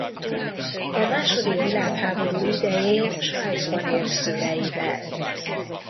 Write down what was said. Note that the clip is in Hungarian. A második világháború idején Svájcban élt szüleivel.